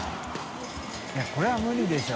いこれは無理でしょ。